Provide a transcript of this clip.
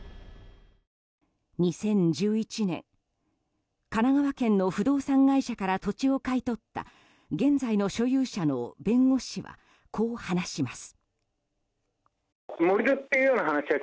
２０１１年神奈川県の不動産会社から土地を買い取った現在の所有者の弁護士はこう話します。